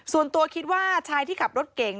ส่วนตัวคิดว่าชายที่ขับรถเก่ง